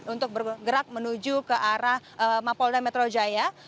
untuk bergerak menuju ke arah mapolda metro jaya